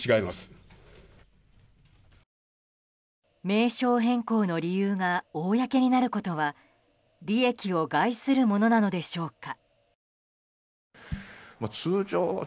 名称変更の理由が公になることは利益を害するものなのでしょうか。